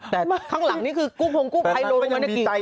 แต่ข้างหลังนี้คือกุ้งพงกุ้งภายลงมาได้กี่